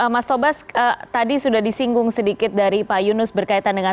mas tobas tadi sudah disinggung sedikit dari pak yunus berkaitan dengan